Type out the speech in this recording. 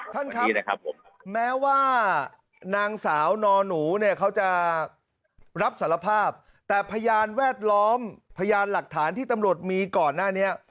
ท่านครับแม้ว่านางสาวนอนหนูเนี่ยเขาจะรับสารภาพแต่พยานแวดล้อมพยานหลักฐานที่ตำรวจมีก่อนหน้านี้